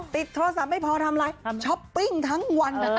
ติดโทรศัพท์ไม่พอทำอะไรช้อปปิ้งทั้งวัน